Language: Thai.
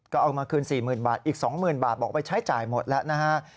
ก็เอามาคืน๔๐๐๐บาทอีก๒๐๐๐บาทบอกไปใช้จ่ายหมดแล้วนะฮะ